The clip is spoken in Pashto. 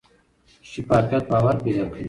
شفافیت باور پیدا کوي